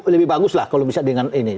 lebih bagus lah kalau bisa dengan ini